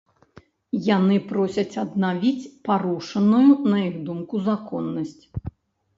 Яны просяць аднавіць парушаную, на іх думку, законнасць.